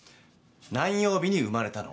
「何曜日に生まれたの」